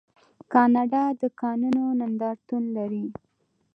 کاناډا د کانونو نندارتون لري.